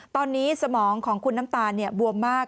ตอนนี้สมองของคุณน้ำตาลบวมมาก